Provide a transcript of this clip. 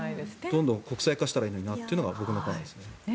どんどん国際化したらいいのになというのが僕の考えです。